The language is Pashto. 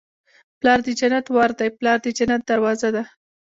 پلار د جنت ور دی. پلار د جنت دروازه ده